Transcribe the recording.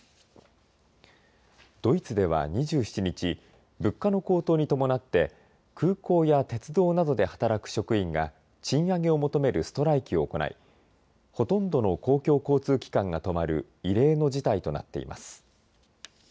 ドイツでは２７日物価の高騰に伴って空港や鉄道などで働く職員が賃上げを求めるストライキを行いほとんどの公共交通機関が止まる異例の事態となっています。